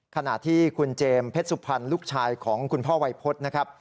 ขณะที่คุณเจมส์เพชรสุพรรณลูกชายของคุณพ่อวัยพฤษนะครับ